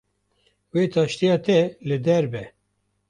Wê taştiya te li der be